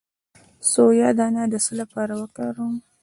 د سویا دانه د څه لپاره وکاروم؟